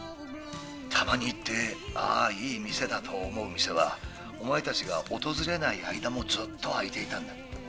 たまに行ってああいい店だと思う店はお前たちが訪れない間もずっとあいていたんだ。